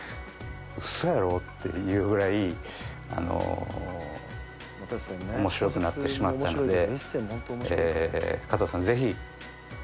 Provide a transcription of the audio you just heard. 嘘やろ？っていうぐらい面白くなってしまったのでえ。